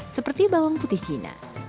seperti bawang putih cina